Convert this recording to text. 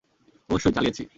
অবশ্যই, চালিয়েছি।